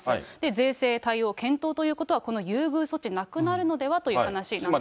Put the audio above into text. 税制対応検討ということは、この優遇措置なくなるのではという話なんですね。